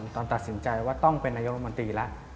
ตอนตัดสินใจว่าต้องเป็นนายกรมนตรีแล้ว